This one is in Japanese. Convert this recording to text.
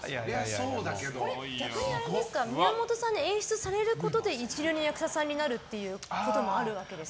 逆に宮本さんに演出されることで一流の役者さんになるっていうこともなるわけですか。